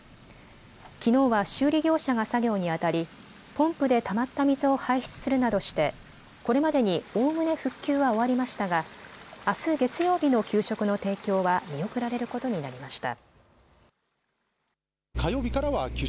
きのうは修理業者が作業にあたりポンプでたまった水を排出するなどしてこれまでにおおむね復旧は終わりましたが、あす月曜日の給食の提供は見送られることになりました。